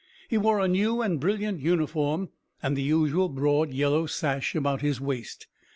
He wore a new and brilliant uniform and the usual broad yellow sash about his waist.